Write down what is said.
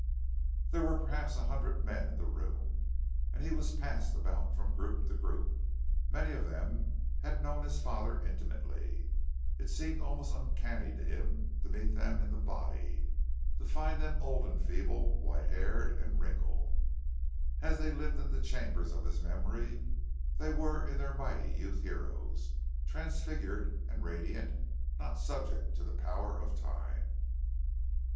There were perhaps a hundred men in the room, and he was passed about from group to group. Many of them had known his father intimately. It seemed almost uncanny to him to meet them in the body; to find them old and feeble, white haired and wrinkled. As they lived in the chambers of his memory, they were in their mighty youth—heroes, transfigured and radiant, not subject to the power of time.